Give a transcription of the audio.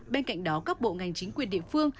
bên cạnh đó các bộ ngành chính quyền địa phương